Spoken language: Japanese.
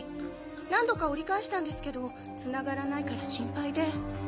何度か折り返したんですけどつながらないから心配で。